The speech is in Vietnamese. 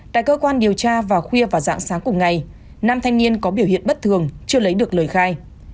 tại cơ quan điều tra vào khuya và dạng sáng cùng ngày năm thanh niên có biểu hiện bất thường chưa lấy được lời khai